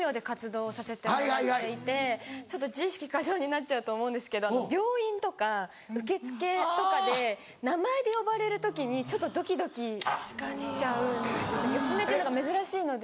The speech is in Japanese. ちょっと自意識過剰になっちゃうと思うんですけど病院とか受付とかで名前で呼ばれる時にちょっとドキドキしちゃうんです「芳根」っていうのが珍しいので。